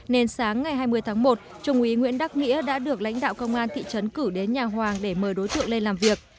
nên sáng ngày hai mươi tháng một trung úy nguyễn đắc nghĩa đã được lãnh đạo công an thị trấn cử đến nhà hoàng để mời đối tượng lê làm việc